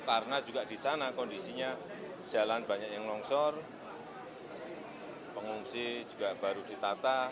karena juga di sana kondisinya jalan banyak yang longsor pengungsi juga baru ditata